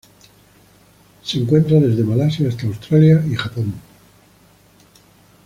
Se encuentra desde Malasia hasta Australia y Japón.